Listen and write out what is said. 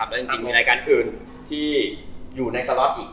และจริงมีรายการอื่นที่อยู่ในสล็อตอีก